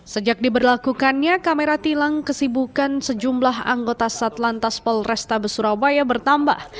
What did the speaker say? sejak diberlakukannya kamera tilang kesibukan sejumlah anggota satlantas polrestabes surabaya bertambah